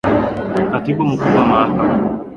katibu mkuu wa mahakama kikatiba nchini silvain nuatin